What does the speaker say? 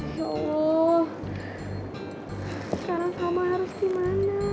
sekarang sama harus dimana